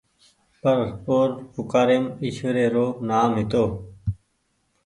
پر اور پوڪآريم ايشوري رو نآم هيتو۔